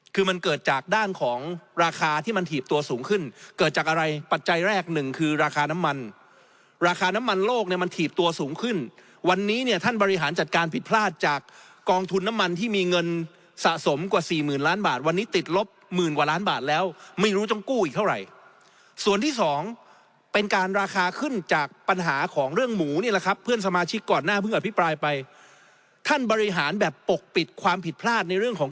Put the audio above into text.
คือมันเกิดจากด้านของราคาที่มันถีบตัวสูงขึ้นเกิดจากอะไรปัจจัยแรกหนึ่งคือราคาน้ำมันราคาน้ำมันโลกในมันถีบตัวสูงขึ้นวันนี้เนี่ยท่านบริหารจัดการผิดพลาดจากกองทุนน้ำมันที่มีเงินสะสมกว่าสี่หมื่นล้านบาทวันนี้ติดลบหมื่นกว่าล้านบาทแล้วไม่รู้ต้องกู้อีกเท่าไหร่ส่วนที่สอง